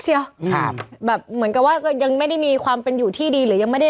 เชียวครับแบบเหมือนกับว่าก็ยังไม่ได้มีความเป็นอยู่ที่ดีหรือยังไม่ได้